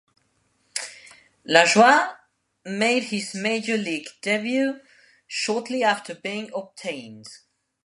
Lajoie made his major league debut shortly after being obtained.